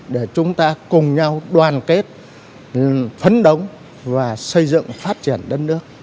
để chúng ta cùng nhau đoàn kết phấn đấu và xây dựng phát triển đất nước